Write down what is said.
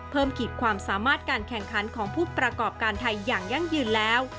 ขีดความสามารถการแข่งขันของผู้ประกอบการไทยอย่างยั่งยืนแล้ว